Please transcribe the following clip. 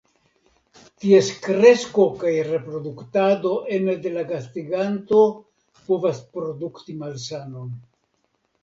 Ties kresko kaj reproduktado ene de la gastiganto povas produkti malsanon.